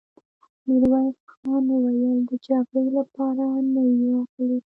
ميرويس خان وويل: د جګړې له پاره نه يو راغلي!